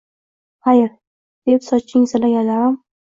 Xayr! — deb soching silaganlarim